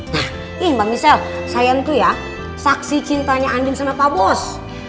nah ih mbak michelle saya tuh ya saksi cintanya andien sama pak bos